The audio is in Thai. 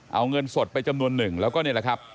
เอาเงินสดไปจำนวนหนึ่งแล้วก็นี่แหละครับ